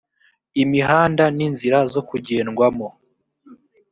imihanda ninzira zokujyendwamo.